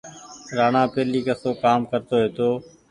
رآڻآ پهيلي ڪسو ڪآم ڪرتو هيتو۔